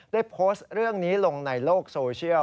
ได้โพสต์เรื่องนี้ลงในโลกโซเชียล